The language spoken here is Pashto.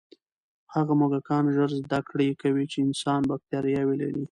هغه موږکان ژر زده کړه کوي چې انسان بکتریاوې لري.